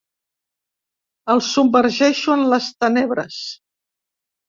El submergeixo en les tenebres.